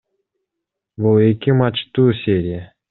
Бул эки матчтуу серия.